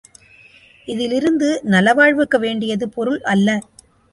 இதிலிருந்து நலவாழ்வுக்கு வேண்டியது பொருள் அல்ல.